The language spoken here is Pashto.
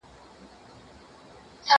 زه اوس موسيقي اورم!؟